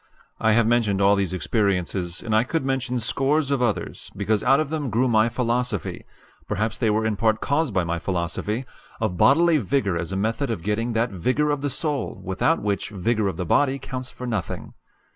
I have mentioned all these experiences, and I could mention scores of others, because out of them grew my philosophy perhaps they were in part caused by my philosophy of bodily vigor as a method of getting that vigor of soul without which vigor of the body counts for nothing.